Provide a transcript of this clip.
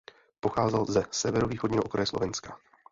Pocházel ze severovýchodního okraje Slovenska.